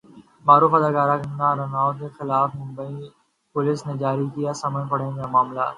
معروف اداکارہ کنگنا رناوت کے خلاف ممبئی پولیس نے جاری کیا سمن ، پڑھیں کیا ہے معاملہ